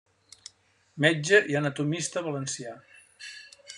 Metge i anatomista valencià.